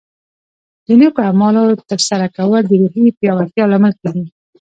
د نیکو اعمالو ترسره کول د روحیې پیاوړتیا لامل کیږي.